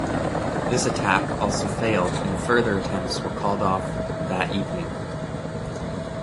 This attack also failed and further attempts were called off that evening.